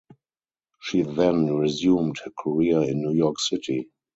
She then resumed her career in New York City.